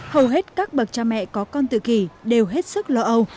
hầu hết các bậc cha mẹ có con tự kỷ đều hết sức lo âu